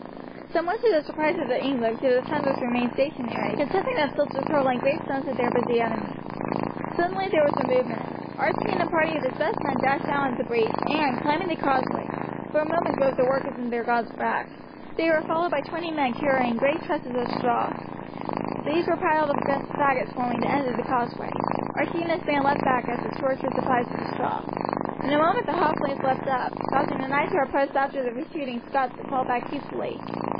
Somewhat to the surprise of the English the defenders remained stationary, contenting themselves with hurling great stones at their busy enemy. Suddenly there was a movement. Archie and a party of his best men dashed down the breach, and, climbing on the causeway, for a moment drove the workers and their guards back. They were followed by twenty men carrying great trusses of straw. These were piled against the faggots forming the end of the causeway. Archie and his band leapt back as a torch was applied to the straw. In a moment the hot flames leapt up, causing the knights who had pressed after the retreating Scots to fall back hastily.